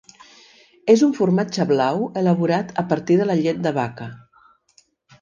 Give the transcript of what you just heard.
És un formatge blau elaborat a partir de la llet de vaca.